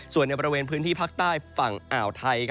ส่วนในบริเวณพื้นที่ภาคใต้ฝั่งอ่าวไทย